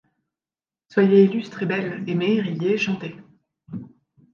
Soyez illustre et belle ! aimez ! riez ! chantez !